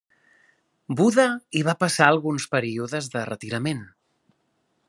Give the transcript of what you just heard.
Buda hi va passar alguns períodes de retirament.